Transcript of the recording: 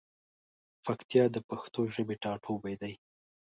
پکتیا د پښتو ژبی ټاټوبی دی.